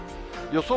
予想